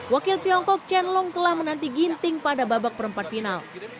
wakil tiongkok chen long telah menanti ginting pada babak perempat final